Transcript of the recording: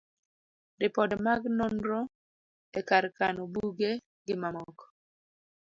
ripode mag nonro e kar kano buge, gi mamoko